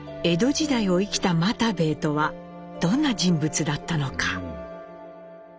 江戸時代を生きた又兵衛とはどんな人物だったのか？